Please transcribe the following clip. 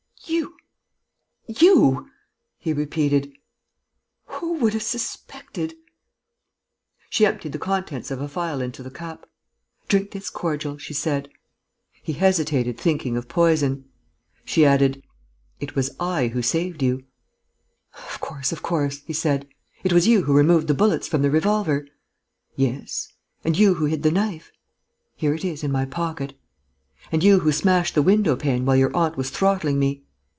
"You ... you ...!" he repeated. "Who would have suspected ...?" She emptied the contents of a phial into the cup: "Drink this cordial," she said. He hesitated, thinking of poison. She added: "It was I who saved you." "Of course, of course," he said. "It was you who removed the bullets from the revolver?" "Yes." "And you who hid the knife?" "Here it is, in my pocket." "And you who smashed the window pane while your aunt was throttling me?"